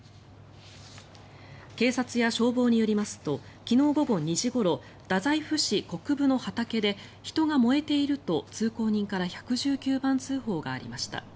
警察や消防によりますと昨日午後２時ごろ太宰府市国分の畑で人が燃えていると通行人から１１９番通報がありました。